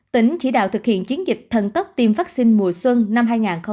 tỉnh chỉ đạo thực hiện chiến dịch thần tốc tiêm vaccine mùa xuân năm hai nghìn hai mươi hai